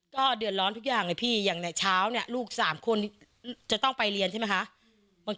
แล้วหนูโทรไปก็ปฏิเสธหนูทุกอย่างตัดสายทิ้ง